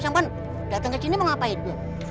siapa datang ke sini apa itu